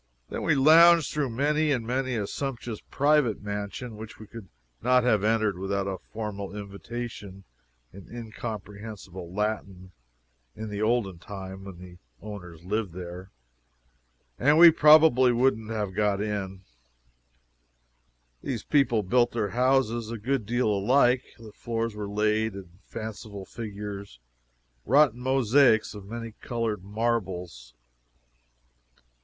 Then we lounged through many and many a sumptuous private mansion which we could not have entered without a formal invitation in incomprehensible Latin, in the olden time, when the owners lived there and we probably wouldn't have got it. These people built their houses a good deal alike. The floors were laid in fanciful figures wrought in mosaics of many colored marbles.